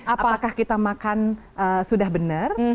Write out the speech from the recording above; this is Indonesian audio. apakah kita makan sudah benar